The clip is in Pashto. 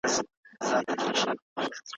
د درملنې او رواني ملاتړ ترکیب اغېزمن دی.